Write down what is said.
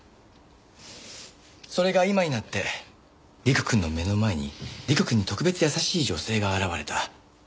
それが今になって陸くんの目の前に陸くんに特別優しい女性が現れた。